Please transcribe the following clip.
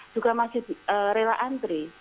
juga masih rela antri